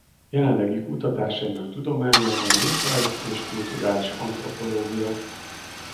Jelenlegi kutatásainak tudományága néprajz és kulturális antropológia.